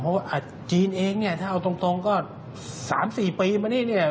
เพราะว่าจีนเองถ้าเอาตรงก็๓๔ปีมานี่